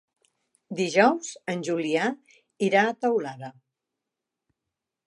Dijous en Julià irà a Teulada.